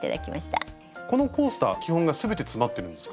このコースター基本が全て詰まってるんですか？